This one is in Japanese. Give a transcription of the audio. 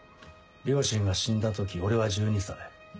両親が死んだ時俺は１２歳。